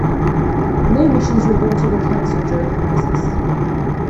No missions were aborted or canceled during the crisis.